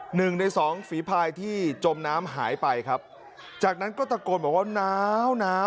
หนึ่งในสองฝีภายที่จมน้ำหายไปครับจากนั้นก็ตะโกนบอกว่าหนาวนะ